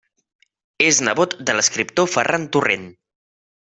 És nebot de l'escriptor Ferran Torrent.